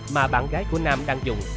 mà bạn gái của nam đang dùng